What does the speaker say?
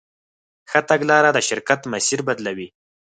ښه تګلاره د شرکت مسیر بدلوي.